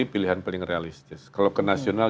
pilihan paling realistis kalau ke nasional